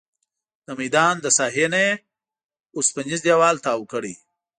د میدان له ساحې نه یې اوسپنیز دیوال تاو کړی.